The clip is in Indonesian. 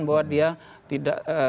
bahwa dia tidak